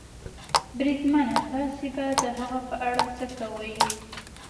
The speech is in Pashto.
بریدمنه، تاسې به د هغه په اړه څه کوئ؟